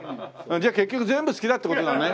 じゃあ結局全部好きだって事だね。